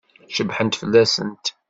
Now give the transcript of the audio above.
Cebḥent fell-asent?